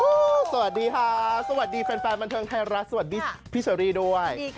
สวัสดีค่ะสวัสดีแฟนบันเทิงไทยรัฐสวัสดีพี่เชอรี่ด้วย